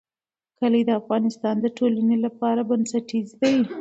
کلي د افغانستان د ټولنې لپاره بنسټیز دي.